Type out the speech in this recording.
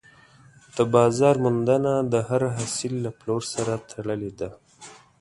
د بازار موندنه د هر حاصل له پلور سره تړلې ده.